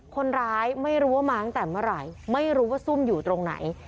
คนร้ายไม่รู้ว่ามาตั้งแต่เมื่อไหร่ไม่รู้ว่าซุ่มอยู่ตรงไหน